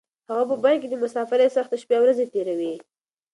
هغه په بن کې د مسافرۍ سختې شپې او ورځې تېروي.